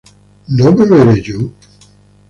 ¿no beberé yo?